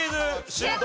シュート！